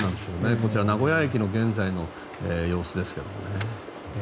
こちら名古屋駅の現在の様子ですけどね。